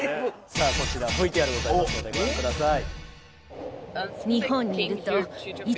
「さあこちらＶＴＲございますのでご覧ください」